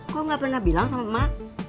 kok gak pernah bilang sama emak